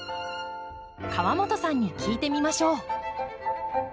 河本さんに聞いてみましょう。